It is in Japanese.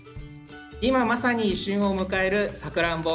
今まさに旬を迎えるさくらんぼ。